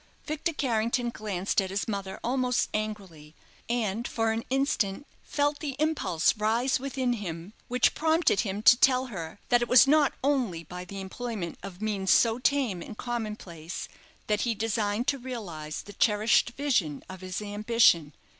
Victor Carrington glanced at his mother almost angrily, and for an instant felt the impulse rise within him which prompted him to tell her that it was not only by the employment of means so tame and common place that he designed to realize the cherished vision of his ambition.